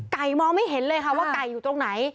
มองไม่เห็นเลยค่ะว่าไก่อยู่ตรงไหน